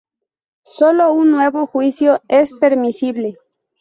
Sólo un nuevo juicio es permisible.